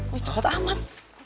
wih jelat amat